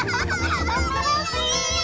おもしろすぎ！